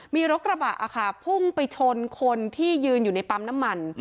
มีรถกระบะค่ะพุ่งไปชนคนที่ยืนอยู่ในปั๊มน้ำมัน